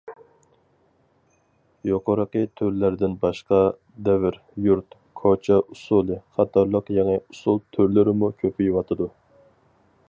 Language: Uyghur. يۇقىرىقى تۈرلەردىن باشقا، دەۋر، يۇرت، كوچا ئۇسسۇلى... قاتارلىق يېڭى ئۇسسۇل تۈرلىرىمۇ كۆپىيىۋاتىدۇ.